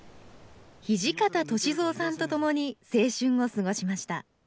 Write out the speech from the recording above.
土方歳三さんとともに青春を過ごしました。